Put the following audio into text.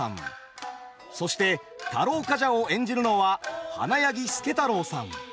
そして太郎冠者を演じるのは花柳輔太朗さん。